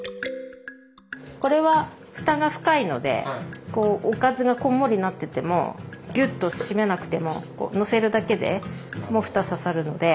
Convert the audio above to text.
これは蓋が深いのでおかずがこんもりなっててもギュッと閉めなくても載せるだけでもう蓋ささるので。